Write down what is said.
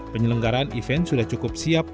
penyelenggaraan event sudah cukup siap